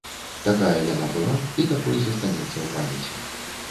Такая яна была і такой застанецца ў памяці.